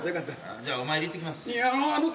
じゃあお参り行ってきます。